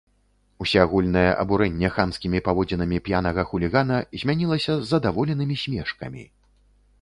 Усеагульнае абурэнне хамскімі паводзінамі п'янага хулігана змянілася задаволенымі смешкамі.